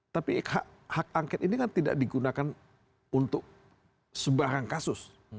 tapi hak angket ini kan tidak digunakan untuk sebarang kasus